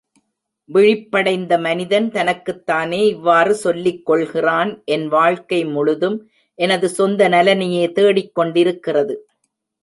விழிப்படைந்த மனிதன் தனக்குத் தானே இவ்வாறு சொல்லிக் கொள்கிறான் என் வாழ்க்கை முழுதும் எனது சொந்த நலனையே தேடிக்கொண்டிருக்கிறது.